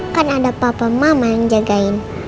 kan ada papa mama yang jagain